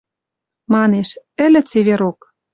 Манеш: «Ӹлӹ цеверок...»